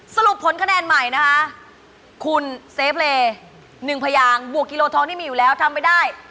สรุปผลคะแนนใหม่นะคะคุณเซฟเล๑พยางบวกกิโลทองที่มีอยู่แล้วทำไม่ได้